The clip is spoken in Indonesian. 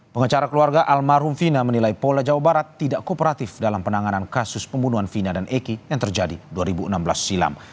pengacara keluarga almarhum vina menilai pola jawa barat tidak kooperatif dalam penanganan kasus pembunuhan vina dan eki yang terjadi dua ribu enam belas silam